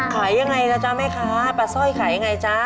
ขายอย่างไรล่ะจ๊ะแม่คะปลาส้อยขายอย่างไรจ๊ะ